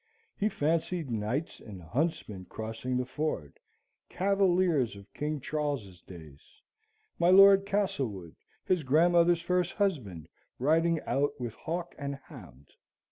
He fancied knights and huntsmen crossing the ford; cavaliers of King Charles's days; my Lord Castlewood, his grandmother's first husband, riding out with hawk and hound.